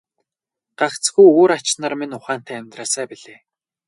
Гагцхүү үр ач нар минь ухаантай амьдраасай билээ.